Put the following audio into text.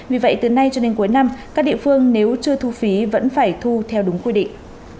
vì vậy từ nay cho đến cuối năm các địa phương nếu chưa thu phí vẫn phải thu theo đúng quy định